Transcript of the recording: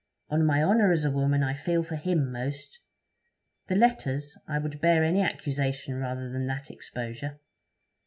On my honour, as a woman, I feel for him most. The letters I would bear any accusation rather than that exposure.